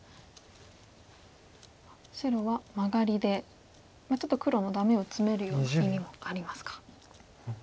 白はマガリでちょっと黒のダメをツメるような意味もありますか。